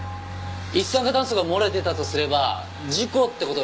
一酸化炭素が漏れてたとすれば事故って事ですか？